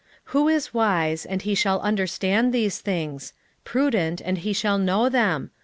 14:9 Who is wise, and he shall understand these things? prudent, and he shall know them?